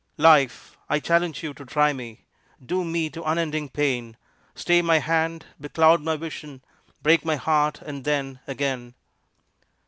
Life, I challenge you to try me, Doom me to unending pain; Stay my hand, becloud my vision, Break my heart and then again.